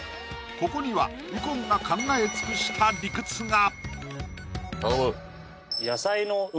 ここには右近が考え尽くした理屈が！